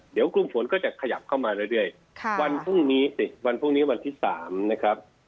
เดี๋ยวกลุ่มฝนก็จะขยับเข้ามาเรื่อยวันพรุ่งนี้สิวันพรุ่งนี้วันที่๓นะครับ